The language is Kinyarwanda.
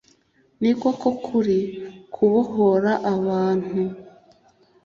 niko ko kuri kubohora abantu,